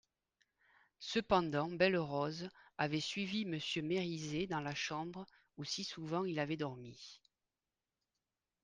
Cependant Belle-Rose avait suivi Monsieur Mériset dans la chambre où si souvent il avait dormi.